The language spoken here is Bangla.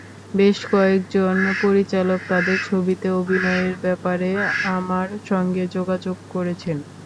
বেশ কয়েকজন পরিচালক তাঁদের ছবিতে অভিনয়ের ব্যাপারে আমার সঙ্গে যোগাযোগ করেছেন।